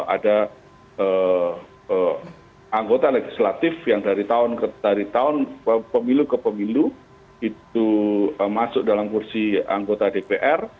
ada anggota legislatif yang dari tahun pemilu ke pemilu itu masuk dalam kursi anggota dpr